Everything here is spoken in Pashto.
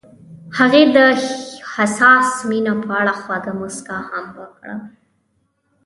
هغې د حساس مینه په اړه خوږه موسکا هم وکړه.